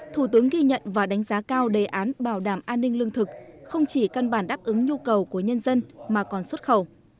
thủ tướng ghi nhận và đánh giá cao đề án bảo đảm an ninh lương thực không chỉ căn bản đáp ứng nhu cầu của nhân dân mà còn xuất khẩu